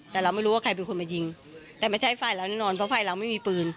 แต่เราไม่รู้ว่าใครเป็นคนมายิงแต่ไม่ใช่ฝ่ายเราแน่นอนเพราะฝ่ายเราไม่มีปืน